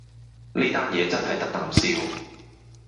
呢單嘢真係得啖笑